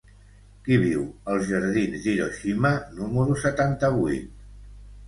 Qui viu als jardins d'Hiroshima número setanta-vuit?